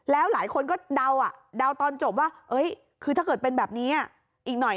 แล้วหลายคนก็เดาอ่ะเดาตอนจบว่าคือถ้าเกิดเป็นแบบนี้อีกหน่อย